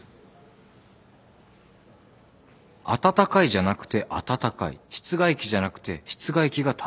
「暖かい」じゃなくて「温かい」「質外機」じゃなくて「室外機」が正しい。